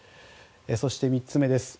そして３つ目です。